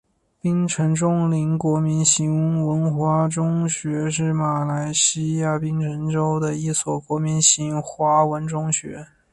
槟城锺灵国民型华文中学是马来西亚槟城州的一所国民型华文中学。